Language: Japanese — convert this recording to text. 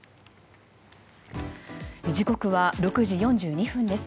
時刻は６時４２分です。